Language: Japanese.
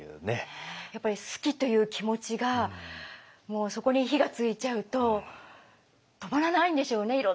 やっぱり好きという気持ちがもうそこに火がついちゃうと止まらないんでしょうね。